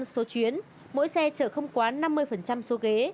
một số chuyến mỗi xe chở không quá năm mươi số ghế